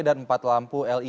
dan empat lampu elektrik